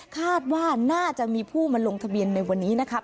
คาดว่าน่าจะมีผู้มาลงทะเบียนในวันนี้นะครับ